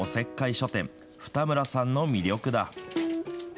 書店二村さんの魅力だ。